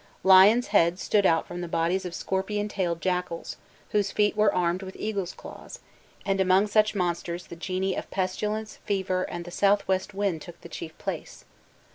Lions' heads stood out from the bodies of scorpion tailed jackals, whose feet were armed with eagles' claws: and among such monsters the genii of pestilence, fever, and the south west wind took the chief place.